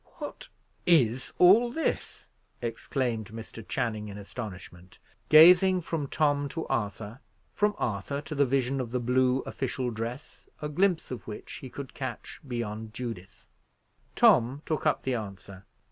"What is all this?" exclaimed Mr. Channing in astonishment, gazing from Tom to Arthur, from Arthur to the vision of the blue official dress, a glimpse of which he could catch beyond Judith. Tom took up the answer.